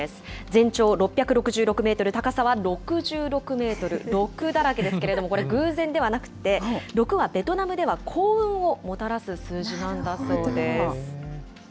全長６６６メートル、高さは６６メートル、６だらけですけれども、これ、偶然ではなくて、６はベトナムでは幸運をもたらす数字なんだそうです。